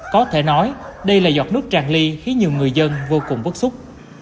có thể nói đây là giọt nước tràn ly khiến nhiều người dân vô cùng bức xúc